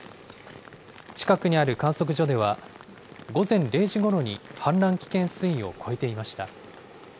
近くにある観測所では、午前０時ごろに氾濫危険水位を超えていました。